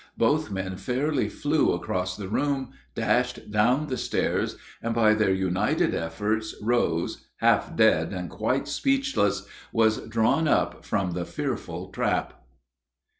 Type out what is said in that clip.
Both men fairly flew across the room, dashed down the stairs, and by their united efforts Rose, half dead and quite speechless, was drawn up from the fearful trap.